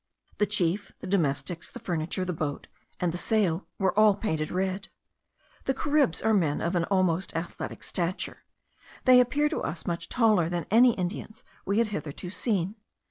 The chief, the domestics, the furniture, the boat, and the sail, were all painted red. These Caribs are men of an almost athletic stature; they appeared to us much taller than any Indians we had hitherto seen.